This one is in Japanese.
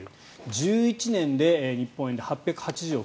１１年で日本円で８８０億。